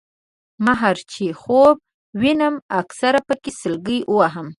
مِهر چې خوب وینم اکثر پکې سلګۍ وهمه